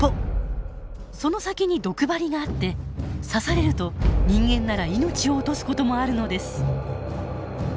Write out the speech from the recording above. その先に毒針があって刺されると人間なら命を落とすこともあるのです。